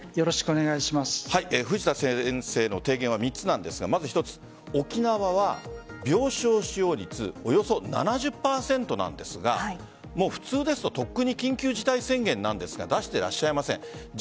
藤田先生の提言は３つなんですが一つ、沖縄は病床使用率およそ７０％なんですが普通ですととっくに緊急事態宣言なんですが出していらっしゃいません。